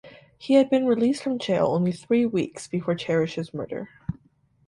He had been released from jail only three weeks before Cherish’s murder.